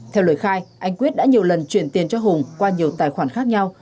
theo lời khai anh quyết đã nhiều lần chuyển tiền cho hùng qua nhiều tài khoản khác nhau